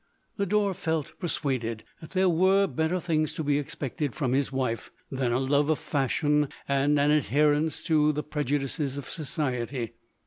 Lodore felt persuaded, that there were better things tp be expected from his wife, than a love of fashion and an adherence to the prejudices of society.